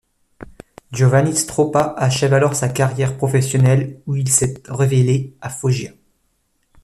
Giovanni Stroppa achève alors sa carrière professionnelle où il s'est révélé, à Foggia.